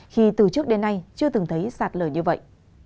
khi từ trước đến nay chưa từng thấy sạt lở như vậy